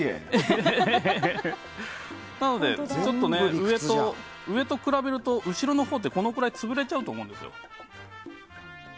なので、上と比べると後ろのほうってこのくらい潰れちゃうと思うんですよ。